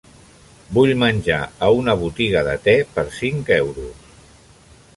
vull menjar a una botiga de te per cinc euros